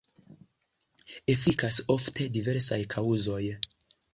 Efikas ofte diversaj kaŭzoj.